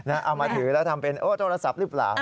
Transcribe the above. เอามาถือแล้วทำเป็นโทรศัพท์หรือเปล่า